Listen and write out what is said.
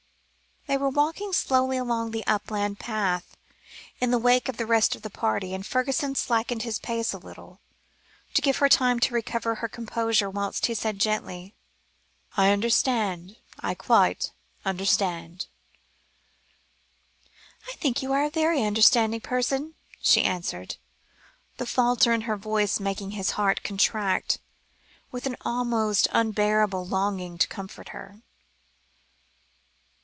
They were walking slowly along the upland road, in the wake of the rest of the party, and Fergusson slackened his pace a little, to give her time to recover her composure, whilst he said gently: "I understand. I quite understand." "I think you are a very understanding person," she answered, the falter in her voice making his heart contract with an almost unbearable longing to comfort her.